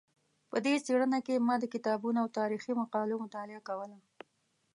په دې څېړنه کې ما د کتابونو او تاریخي مقالو مطالعه کوله.